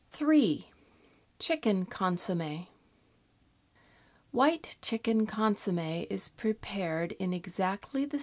3— CHICKEN CONSOMME White chicken consomm6 is prepared in exactly the sam.